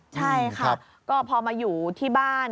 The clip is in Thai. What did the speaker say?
ใช่ค่ะก็พอมาอยู่ที่บ้าน